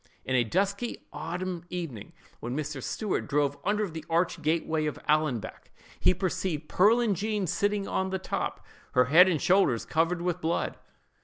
"In a dusky autumnal evening, when Mr. Stuart drove under the arched gateway of Allanbank, he perceived Pearlin Jean sitting on the top, her head and shoulders covered with blood.